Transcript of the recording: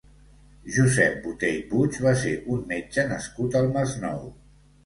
Josep Botey Puig va ser un metge nascut al Masnou.